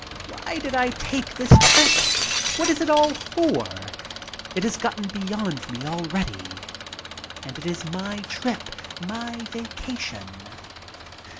Why did I take the trip? What is it all for? It has gotten beyond me already and it is my trip, my vacation.